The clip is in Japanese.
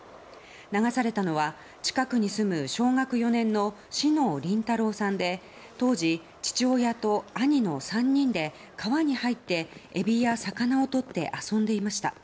流されたのは近くに住む小学４年の小竹倫太朗さんで当時、父親と兄の３人で川に入ってエビや魚をとって遊んでいました。